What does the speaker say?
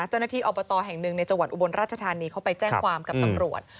เจ้าหน้าที่อบตแห่งหนึ่งในจังหวัดอุบลราชธานีเขาไปแจ้งความกับตำรวจ